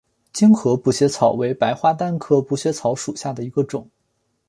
精河补血草为白花丹科补血草属下的一个种。